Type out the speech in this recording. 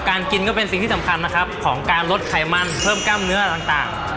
กินก็เป็นสิ่งที่สำคัญนะครับของการลดไขมันเพิ่มกล้ามเนื้อต่าง